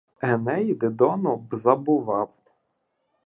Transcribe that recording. Еней Дидону б забував.